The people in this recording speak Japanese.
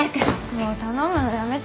もう頼むのやめたら？